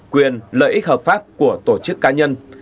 quyền lợi ích hợp pháp của tổ chức cá nhân